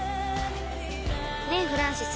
［ねえフランシス！］